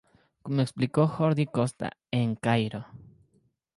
Como explicó Jordi Costa, en "Cairo"